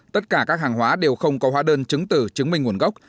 tất cả các hàng hóa đều không có hóa đơn chứng tử chứng minh nguồn gốc